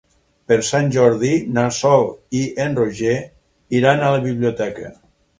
Per Sant Jordi na Sol i en Roger iran a la biblioteca.